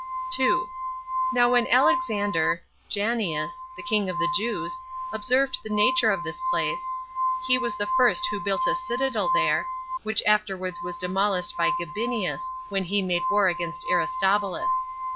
2. Now when Alexander [Janneus], the king of the Jews, observed the nature of this place, he was the first who built a citadel here, which afterwards was demolished by Gabinius, when he made war against Aristobulus.